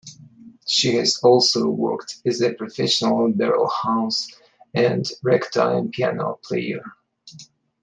She has also worked as a professional barrelhouse and ragtime piano player.